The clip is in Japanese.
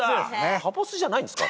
カボスじゃないんすか？